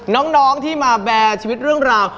น้องที่มาแบร์ชีวิตเรื่องราว